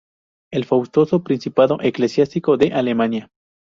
El fastuoso principado eclesiástico de Alemania